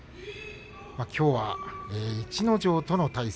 きょうは逸ノ城との対戦。